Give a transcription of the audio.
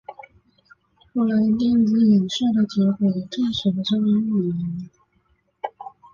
后来电子衍射的结果也证实了这个预言。